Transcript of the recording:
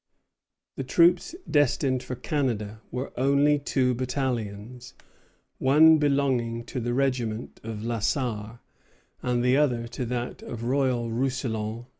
The troops destined for Canada were only two battalions, one belonging to the regiment of La Sarre, and the other to that of Royal Roussillon.